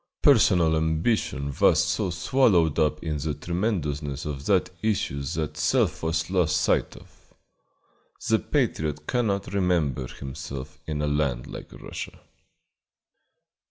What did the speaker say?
Personal ambition was so swallowed up in the tremendousness of that issue that self was lost sight of. The patriot cannot remember himself in a land like Russia.